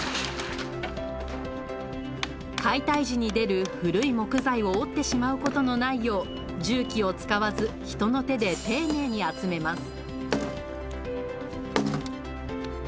解体時に出る古い木材を折ってしまうことのないよう重機を使わず人の手で丁寧に集めます